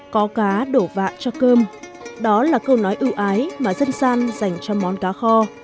có cá đổ vạ cho cơm đó là câu nói ưu ái mà dân gian dành cho món cá kho